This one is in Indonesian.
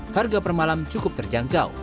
harga per malam cukup terjangkau